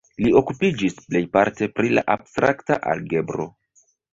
Li okupiĝis plejparte pri la abstrakta algebro.